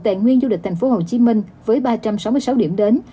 ngành nguyên du lịch thành phố hồ chí minh với ba trăm sáu mươi sáu điểm đến